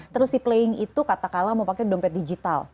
terus si playing itu katakanlah mau pakai dompet digital